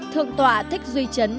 thượng tọa thích duy trấn